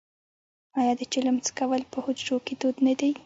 آیا د چلم څکول په حجرو کې دود نه دی؟